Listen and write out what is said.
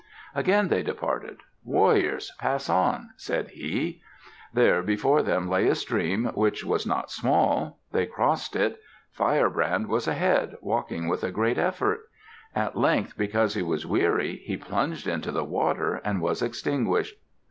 Again they departed. "Warriors, pass on!" said he. There before them lay a stream, which was not small. They crossed it. Firebrand was ahead, walking with a great effort. At length, because he was weary, he plunged into the water and was extinguished.